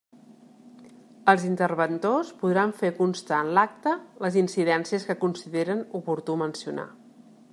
Els interventors podran fer constar en l'acta les incidències que consideren oportú mencionar.